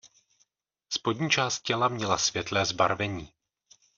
Spodní část těla měla světlé zbarvení.